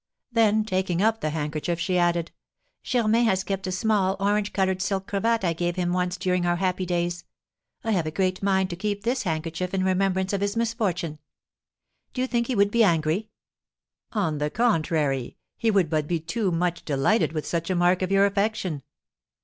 Then, taking up the handkerchief, she added, "Germain has kept a small, orange coloured silk cravat I gave him once during our happy days. I have a great mind to keep this handkerchief in remembrance of his misfortune. Do you think he would be angry?" "On the contrary, he would but be too much delighted with such a mark of your affection."